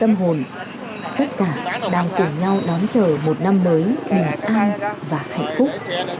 tâm hồn tất cả đang cùng nhau đón chờ một năm mới bình an và hạnh phúc